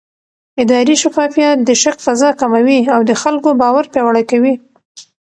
اداري شفافیت د شک فضا کموي او د خلکو باور پیاوړی کوي